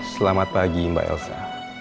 selamat pagi mbak elsa